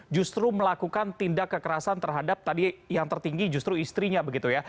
justru melakukan tindak kekerasan terhadap tadi yang tertinggi justru istrinya begitu ya